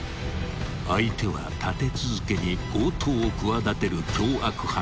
［相手は立て続けに強盗を企てる凶悪犯］